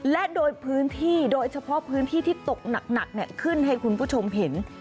และโดยพื้นที่โดยเฉพาะพื้นที่ที่ตกหนักขึ้นให้คุณผู้ชมเห็น